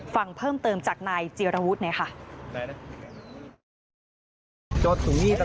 ฟังเพิ่มเติมจากนายเจียรวรรณวุฒิเนี่ยค่ะ